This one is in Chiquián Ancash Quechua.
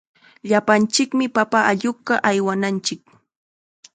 Llapanchikmi papa allakuq aywananchik.